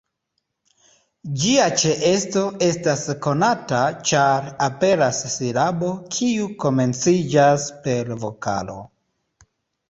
Ĝia ĉeesto estas konata ĉar aperas silabo kiu komenciĝas per vokalo.